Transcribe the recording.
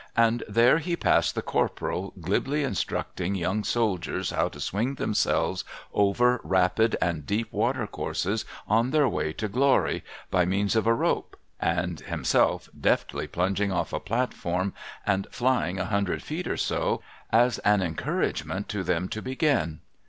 And there he i)assed the Corporal glibly instructing young soldiers how to' swing themselves over rapid and deep water courses on their way to Glory, by means of a rope, and himself deftly plunging off a plat form, and flying a hundred feet or two, as an encouragement to them to begin.